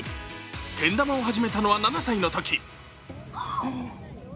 けん玉を始めたのは７歳のとき。